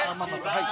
はい。